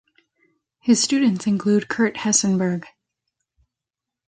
His students include Kurt Hessenberg.